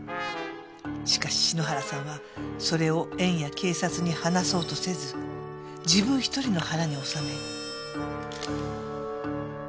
しかし篠原さんはそれを苑や警察に話そうとせず自分１人の腹におさめ。